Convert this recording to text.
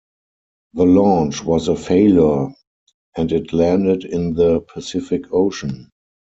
The launch was a failure, and it landed in the Pacific Ocean.